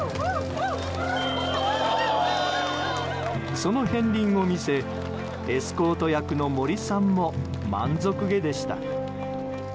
その片鱗を見せエスコート役の森さんも満足げでした。